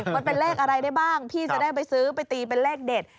มันเป็นเลขอะไรได้บ้างพี่จะได้ไปซื้อไปตีเป็นเลขเด็ด